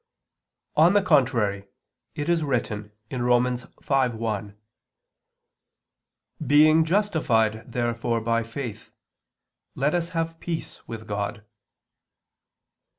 On the contrary, It is written (Rom. 5:1): "Being justified therefore by faith, let us have peace with God."